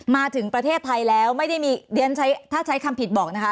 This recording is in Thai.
มาถึงประเทศไทยแล้วถ้าใช้คำผิดบอก